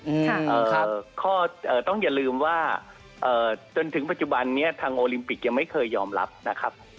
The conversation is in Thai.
เอ่อครับข้อเอ่อต้องอย่าลืมว่าเอ่อจนถึงปัจจุบันนี้ทางโอลิมปิกยังไม่เคยยอมรับนะครับ